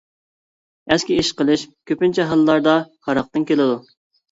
ئەسكى ئىش قىلىش، كۆپىنچە ھاللاردا ھاراقتىن كېلىدۇ.